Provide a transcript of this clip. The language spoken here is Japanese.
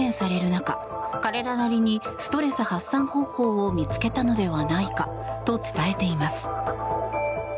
中彼らなりに、ストレス発散方法を見つけたのではないかと伝えています。